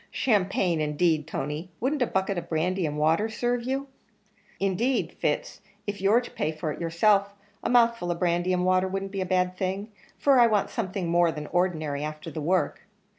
"Champagne, indeed, Tony; wouldn't a bucket of brandy and water serve you?" "Indeed, Fitz, if you're to pay for it yourself, a mouthful of brandy and water wouldn't be a bad thing for I want something more than ordinary afther that work.